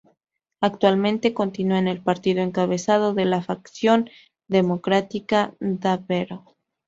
Actualmente, continúa en el partido encabezando la facción Democratici-Davvero.